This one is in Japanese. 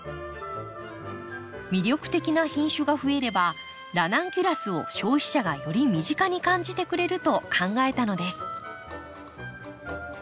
魅力的な品種が増えればラナンキュラスを消費者がより身近に感じてくれると考えたのです。